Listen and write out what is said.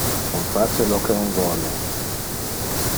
On face lo que on vole.